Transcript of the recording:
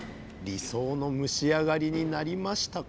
理想の蒸し上がりになりましたか？